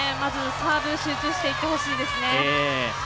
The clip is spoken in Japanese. サーブ、集中していってほしいですね。